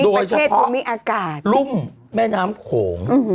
โดยเฉพาะรุ่มแม่น้ำโขง